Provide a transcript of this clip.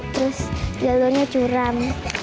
terus jalurnya curam